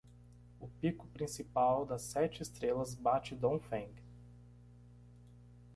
O pico principal das sete estrelas bate Dongfeng